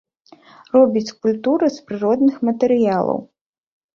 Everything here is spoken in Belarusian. Робіць скульптуры з прыродных матэрыялаў.